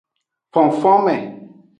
Fonfonme.